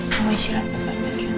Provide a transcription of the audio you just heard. mama istilah cepat aja